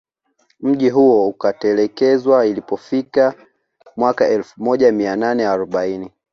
Mji huo ukatelekezwa ilipofika mwaka elfu moja mia nane arobaini